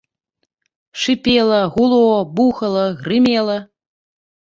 Шыпела, гуло, бухала, грымела.